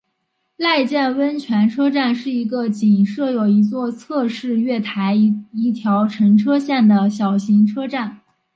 濑见温泉车站是一个仅设有一座侧式月台一条乘车线的小型车站。